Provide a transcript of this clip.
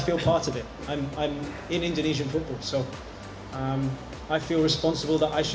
saya sangat marah karena mereka memiliki pemain seperti itu